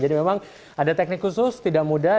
memang ada teknik khusus tidak mudah